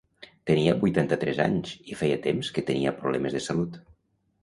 Tenia vuitanta-tres anys i feia temps que tenia problemes de salut.